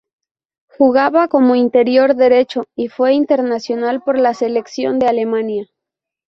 Jugaba como interior derecho y fue internacional por la Selección de Alemania.